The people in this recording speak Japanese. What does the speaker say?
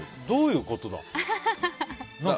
どういうことだ？